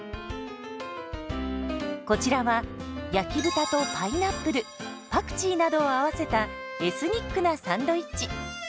こちらは焼き豚とパイナップルパクチーなどを合わせたエスニックなサンドイッチ。